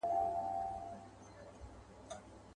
پيشو نه وه يو تور پړانگ وو قهرېدلى.